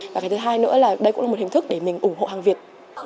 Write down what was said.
và cái thứ hai nữa là đây cũng là một hình thức để mình ủng hộ hàng việt